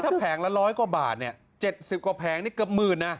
ถ้าแผงละร้อยกว่าบาทเนี่ย๗๐กว่าแผงก็หมื่นอ่ะ